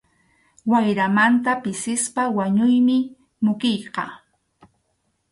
Wayramanta pisispa wañuymi mukiyqa.